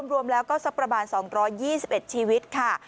รวมแล้วก็สักประมาณ๒๒๑ชีวิตค่ะ